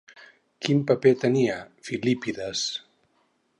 Quin paper tenia Filípides?